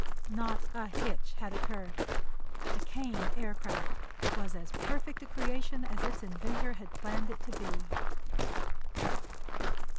Not a hitch had occurred. The Kane Aircraft was as perfect a creation as its inventor had planned it to be.